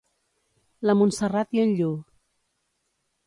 La Montserrat i en Llu